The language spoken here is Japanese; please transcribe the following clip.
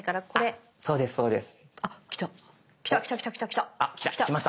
あっそうですそうです。